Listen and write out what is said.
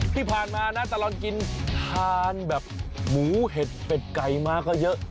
ที่ผ่านมานะตลอดกินทานแบบหมูเห็ดเป็ดไก่มาก็เยอะ